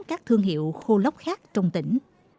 các thương hiệu khô lốc khác trong tỉnh